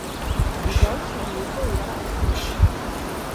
Dijous en Nico irà al cinema.